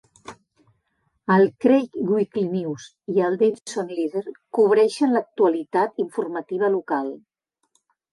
El "Craik Weekly News" i el "Davidson Leader" cobreixen l'actualitat informativa local.